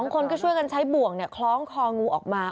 คนก็ช่วยกันใช้บ่วงคล้องคองูออกมา